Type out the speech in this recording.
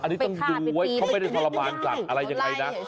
อันนี้ต้องดูไว้เขาไม่ได้ทรมานสัตว์อะไรยังไงนะ